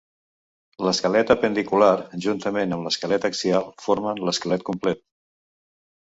L'esquelet apendicular juntament amb l'esquelet axial formen l'esquelet complet.